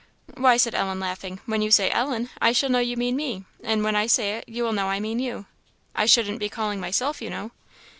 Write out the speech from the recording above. "Why," said Ellen, laughing, "when you say 'Ellen,' I shall know you mean me; and when I say it you will know I mean you. I shouldn't be calling myself, you know."